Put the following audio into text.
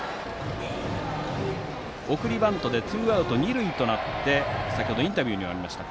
送りバントでツーアウト、二塁となり先程インタビューにもありました